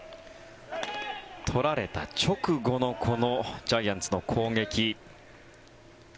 取られた直後のこのジャイアンツの攻撃。